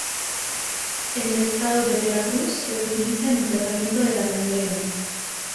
En el Estado de Veracruz se le utiliza en el tratamiento de la gangrena.